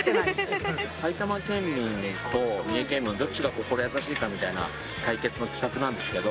埼玉県民と三重県民どっちが心優しいかみたいな対決の企画なんですけど。